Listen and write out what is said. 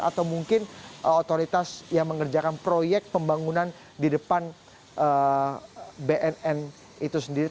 atau mungkin otoritas yang mengerjakan proyek pembangunan di depan bnn itu sendiri